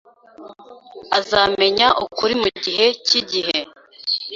Azamenya ukuri mugihe cyigihe